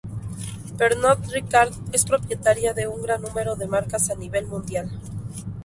Pernod Ricard es propietaria de un gran número de marcas a nivel mundial.